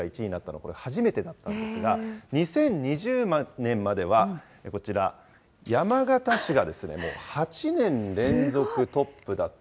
これ、初めてだったんですが、２０２０年まではこちら、山形市がですね、もう８年連続トップだった。